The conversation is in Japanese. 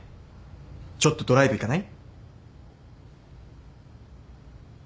ちょっとドライブ行かない？